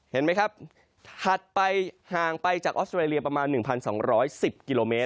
เห็นไหมครับถัดไปห่างไปจากออสเตรเลียประมาณ๑๒๑๐กิโลเมตร